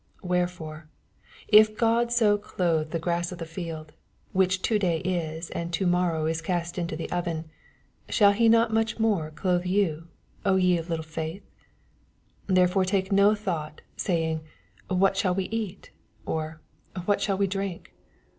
80 Wherefore, if God so clothe the grass of the field, whioih to day is, and to morrow is oast into the oven, tkaUhs not mnch more daOu yon, Dye of little faith? 81 Therefore take no thought, say ing. What shall we eat ? or, What shall we diink?